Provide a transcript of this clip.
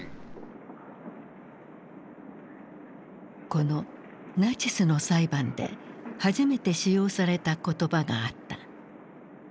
このナチスの裁判で初めて使用された言葉があった。